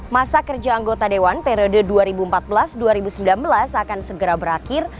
masa kerja anggota dewan periode dua ribu empat belas dua ribu sembilan belas akan segera berakhir